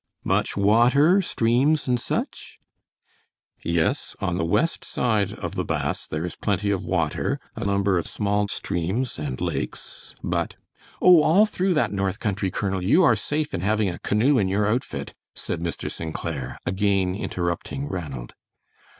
"Much water, streams, and such?" "Yes, on the west side of the Bass there is plenty of water, a number of small streams and lakes, but " "Oh, all through that north country, Colonel, you are safe in having a canoe in your outfit," said Mr. St. Clair, again interrupting Ranald.